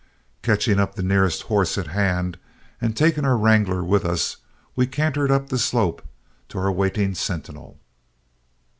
Catching the nearest horses at hand, and taking our wrangler with us, we cantered up the slope to our waiting sentinel.